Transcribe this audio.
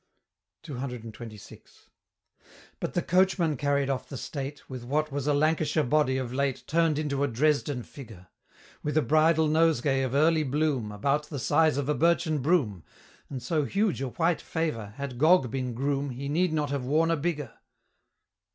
CCXXVI. But the Coachman carried off the state, With what was a Lancashire body of late Turn'd into a Dresden Figure; With a bridal Nosegay of early bloom, About the size of a birchen broom, And so huge a White Favor, had Gog been Groom He need not have worn a bigger.